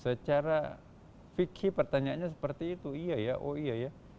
secara fikih pertanyaannya seperti itu iya ya oh iya ya